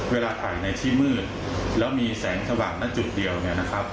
ถ่ายในที่มืดแล้วมีแสงสว่างนะจุดเดียวเนี่ยนะครับ